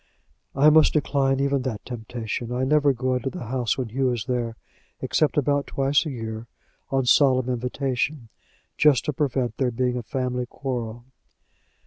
"I must decline even that temptation. I never go into the house when Hugh is there, except about twice a year on solemn invitation just to prevent there being a family quarrel."